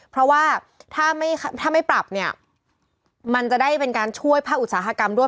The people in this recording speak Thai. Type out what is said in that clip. เพราะว่าถ้าไม่ปรับเนี่ยมันจะได้เป็นการช่วยภาคอุตสาหกรรมด้วย